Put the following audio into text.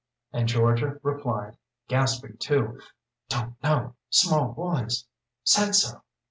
and Georgia replied, gasping too "Don't know small boys said so."